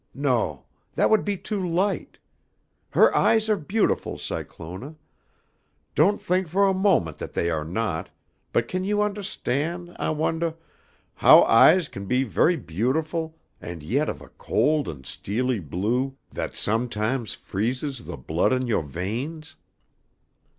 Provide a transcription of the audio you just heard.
No that would be too light. Her eyes are beautiful, Cyclona. Don't think fo' a moment that they are not, but can you undahstan', I wondah, how eyes can be ve'y beautiful and yet of a cold and steely blue that sometimes freezes the blood in youah veins?